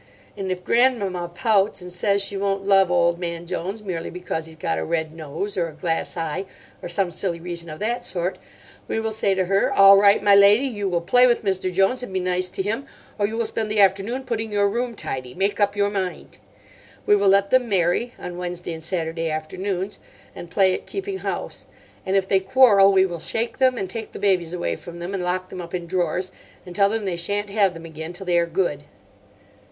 And if Grandmamma pouts and says she won't love old man Jones merely because he's got a red nose, or a glass eye, or some silly reason of that sort, we will say to her: 'All right, my lady, you will play with Mr. Jones and be nice to him, or you will spend the afternoon putting your room tidy; make up your mind.' We will let them marry (on Wednesday and Saturday afternoons), and play at keeping house. And if they quarrel we will shake them and take the babies away from them, and lock them up in drawers, and tell them they sha'n't have them again till they are good."